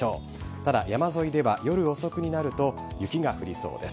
ただ、山沿いでは夜遅くになると、雪が降りそうです。